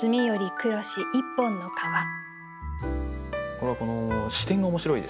これはこの視点が面白いですよね。